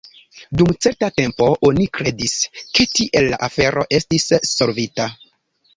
Dum certa tempo oni kredis, ke tiel la afero estis solvita.